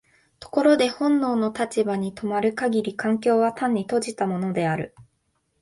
ところで本能の立場に止まる限り環境は単に閉じたものである。